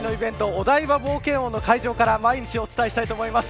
お台場冒険王の会場から毎日お伝えしたいと思います。